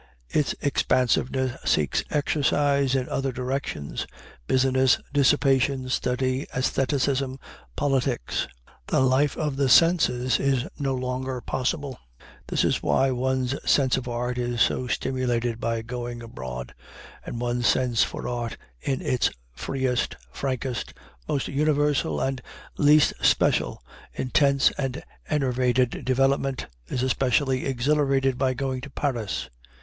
Its expansiveness seeks exercise in other directions business, dissipation, study, æstheticism, politics. The life of the senses is no longer possible. This is why one's sense for art is so stimulated by going abroad, and one's sense for art in its freest, frankest, most universal and least special, intense and enervated development, is especially exhilarated by going to Paris.